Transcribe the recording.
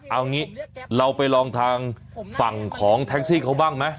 เอางี้เราไปลองทางฝั่งของแท็กซี่เขาบ้างไหม